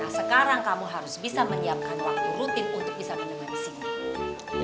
nah sekarang kamu harus bisa menyiapkan waktu rutin untuk bisa menemani cindy